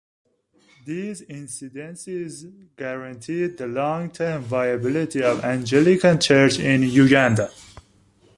These incidences guaranteed the long term viability of the Anglican church in Uganda.